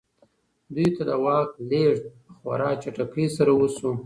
دوی ته د واک لېږد په خورا چټکۍ سره وشو.